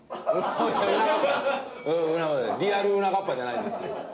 リアルうながっぱじゃないんですよ。